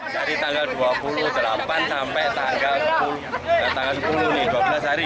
dari tanggal dua puluh delapan sampai tanggal sepuluh nih dua belas hari